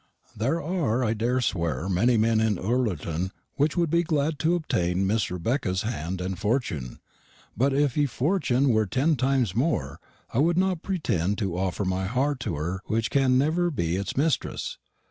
Thear ar I dare sware many men in Ullerton wich wou'd be gladd to obtane Mrs. Rebecka's hand and fortun; but if ye fortun wear ten times more, I wou'd not preetend to oferr my harte to herr w'h can never be its misteress.